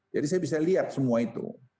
jadi saya bisa lihat semua itu